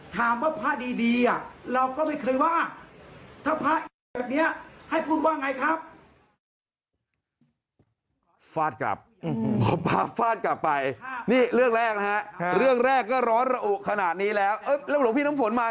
ถามว่าพระดีเราก็ไม่เคยว่าถ้าพระแบบนี้